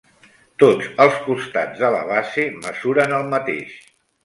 Tots els costats de la base mesuren el mateix.